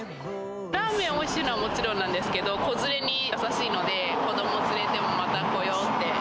ラーメンおいしいのはもちろんなんですけど、子連れに優しいので、子ども連れてもまた来よう